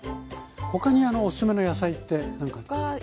他におすすめの野菜って何かありますか？